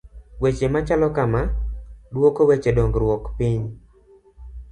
Weche machalo kama, duoko weche dongruok piny.